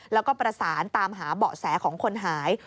แล้วก็ประสานตามหาเบาะแสของคนหาย